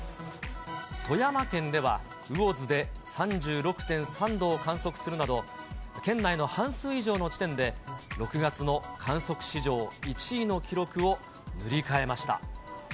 富山県では、魚津で３６．３度を観測するなど、県内の半数以上の地点で、６月の観測史上１位の記録を塗り替えました。